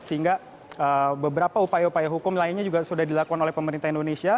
sehingga beberapa upaya upaya hukum lainnya juga sudah dilakukan oleh pemerintah indonesia